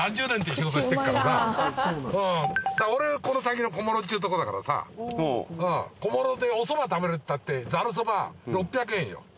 俺この先の小諸っちゅうところだからさ小諸でおそば食べるったってざるそば６００円よ。